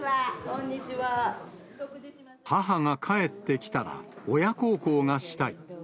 母が帰ってきたら、親孝行がしたい。